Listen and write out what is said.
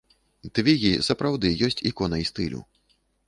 Твігі сапраўды ёсць іконай стылю.